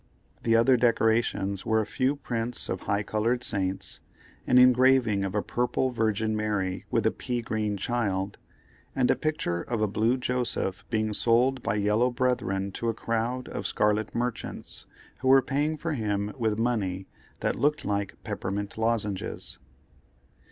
The other decorations were a few prints of high colored saints, an engraving of a purple Virgin Mary with a pea green child, and a picture of a blue Joseph being sold by yellow brethren to a crowd of scarlet merchants who were paying for him with money that looked like peppermint lozenges.